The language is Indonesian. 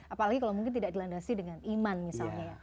apalagi kalau mungkin tidak dilandasi dengan iman misalnya ya